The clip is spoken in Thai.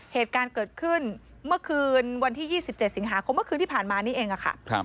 เหตุการณ์เกิดขึ้นเมื่อคืนวันที่๒๗สิงหาคมเมื่อคืนที่ผ่านมานี่เองค่ะ